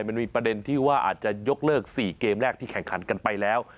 มันมีประเด็นที่ว่าอาจจะยกเลิก๔เกมแรกที่แข่งขันกันไปแล้ว